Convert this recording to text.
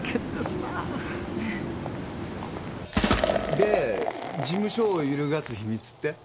で事務所を揺るがす秘密って？